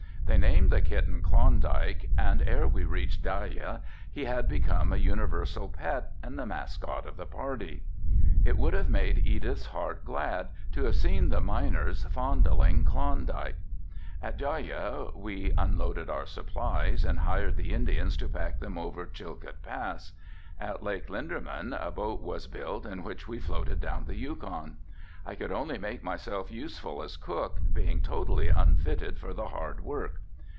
They named the kitten Klondike and ere we reached Dyea he had become a universal pet and the mascott of the party. It would have made Edith's heart glad to have seen the miners fondling Klondike. At Dyea we unloaded our supplies and hired the Indians to pack them over Chilcoot Pass. At Lake Linderman a boat was built in which we floated down the Yukon, I could only make myself useful as cook, being totally unfitted for the hard work.